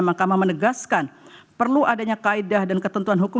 mahkamah menegaskan perlu adanya kaedah dan ketentuan hukum